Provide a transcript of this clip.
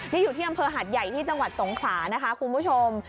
นี่อยู่ที่อำเภอหัดใหญ่ที่จังหวัดสงขลานะคะคุณผู้ชม